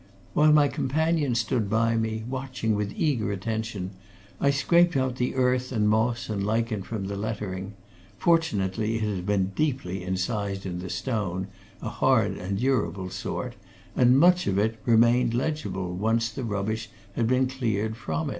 While my companion stood by me, watching with eager attention, I scraped out the earth and moss and lichen from the lettering fortunately, it had been deeply incised in the stone a hard and durable sort and much of it remained legible, once the rubbish had been cleared from it.